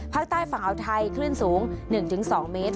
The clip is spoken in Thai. ภาคใต้ฝั่งอาวไทยคลื่นสูง๑๒เมตร